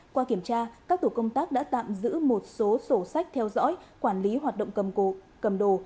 qua kiểm tra các tổ công tác đã tạm giữ một số sổ sách theo dõi quản lý hoạt động cầm đồ